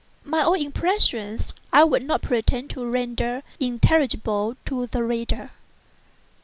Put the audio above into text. My own impressions I would not pretend to render intelligible to the reader.